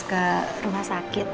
aku harus ke rumah sakit